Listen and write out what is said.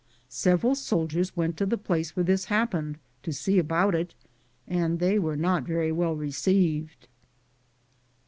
Sev eral soldiers went to the place where this happened to see about it, and they were not very well received.